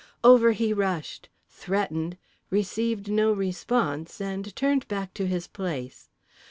Over he rushed, threatened, received no response, and turned back to his place.